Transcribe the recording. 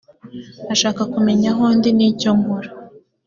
ashaka kumenya aho ndi n’ icyo nkora